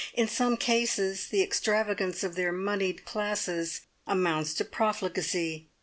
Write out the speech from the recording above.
In some cases the extravagance of their moneyed classes amounts to profligacy.